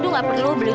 tinggal di mana